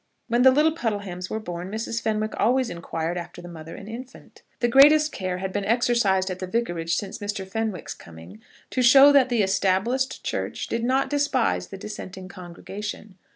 When the little Puddlehams were born, Mrs. Fenwick always inquired after the mother and infant. The greatest possible care had been exercised at the Vicarage since Mr. Fenwick's coming to show that the Established Church did not despise the dissenting congregation.